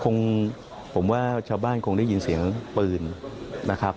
คงผมว่าชาวบ้านคงได้ยินเสียงปืนนะครับ